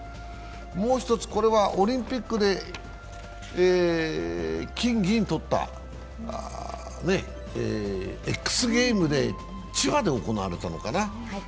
もう１つ、オリンピックで金・銀をとったＸＧａｍｅｓ、千葉で行われたのかな。